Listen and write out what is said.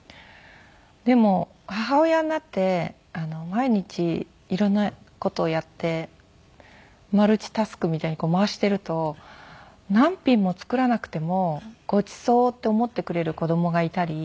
でも母親になって毎日色んな事をやってマルチタスクみたいに回していると何品も作らなくてもごちそうって思ってくれる子供がいたり。